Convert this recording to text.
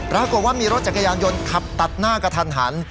ปรากฏว่ามีรถจักรยานยนต์ขับตัดหน้ากระทันหัน